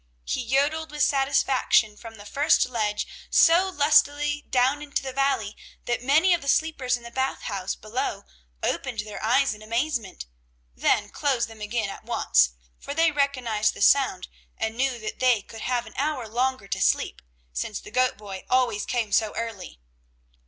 He yodeled with satisfaction from the first ledge so lustily down into the valley that many of the sleepers in the Bath House below opened their eyes in amazement, then closed them again at once, for they recognized the sound and knew that they could have an hour longer to sleep, since the goat boy always came so early.